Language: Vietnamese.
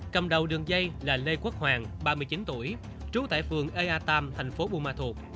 cầm đầu đường dây là lê quốc hoàng ba mươi chín tuổi trú tại phường ea tam thành phố buôn ma thuột